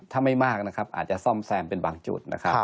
ถ้าไม่มากนะครับอาจจะซ่อมแซมเป็นบางจุดนะครับ